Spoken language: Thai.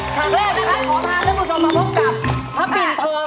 ฉากแรกนะครับขอพาท่านผู้ชมมาพบกับพระปิ่นทอง